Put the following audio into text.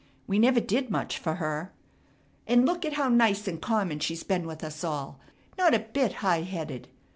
We never did much fer her. And look at how nice and common she's been with us all, not a bit high headed.